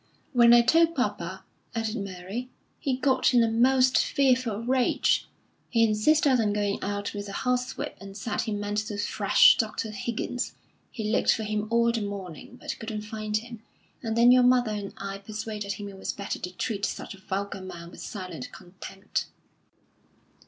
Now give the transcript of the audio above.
"When I told papa," added Mary, "he got in a most fearful rage. He insisted on going out with a horsewhip, and said he meant to thrash Dr. Higgins. He looked for him all the morning, but couldn't find him; and then your mother and I persuaded him it was better to treat such a vulgar man with silent contempt."